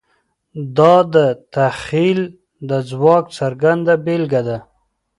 دا د تخیل د ځواک څرګنده بېلګه ده.